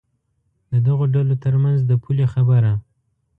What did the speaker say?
د دغو ډلو تر منځ د پولې خبره.